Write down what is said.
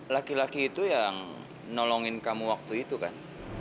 laki laki itu yang nolongin kamu waktu itu kan